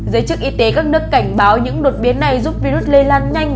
giới chức y tế các nước cảnh báo những đột biến này giúp virus lây lan nhanh